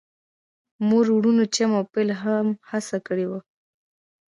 مور وروڼو جیم او بیل هم هڅه کړې وه